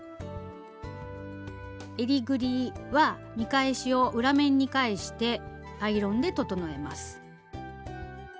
えりぐりは見返しを裏面に返してアイロンで整えます。